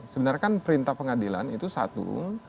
sebenarnya kan perintah pengadilan itu satu